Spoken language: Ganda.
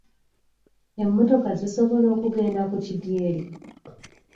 Emmotoka zisobola okugenda ku kidyeri?